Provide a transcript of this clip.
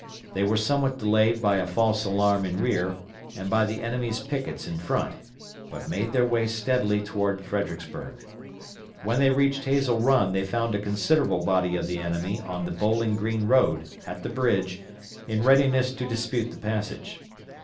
They were somewhat delayed by a false alarm in rear, and by the enemy's pickets in front, but made their way steadily toward Fredericksburg. When they reached Hazel Run they found a considerable body of the enemy on the Bowling Green Road at the bridge in readiness to dispute the passage.